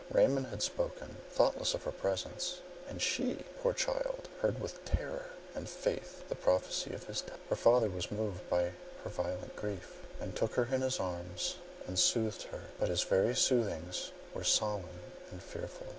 Raymond had spoken, thoughtless of her presence, and she, poor child, heard with terror and faith the prophecy of his death. Her father was moved by her violent grief; he took her in his arms and soothed her, but his very soothings were solemn and fearful.